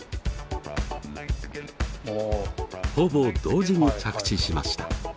ほぼ同時に着地しました。